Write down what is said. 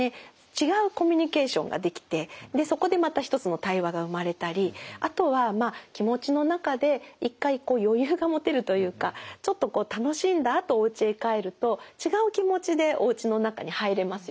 違うコミュニケーションができてそこでまた一つの対話が生まれたりあとは気持ちの中で一回余裕が持てるというかちょっと楽しんだあとおうちへ帰ると違う気持ちでおうちの中に入れますよね。